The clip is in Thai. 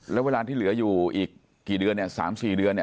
แล้วเวลาที่เหลืออยู่อีก๓๔เดือน